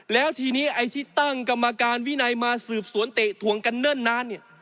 แล้วทีนี้ไอ้ที่ตั้งกรรมการวินัยมาสืบสวนเตะถวงกันเนิ่นนานเนี่ย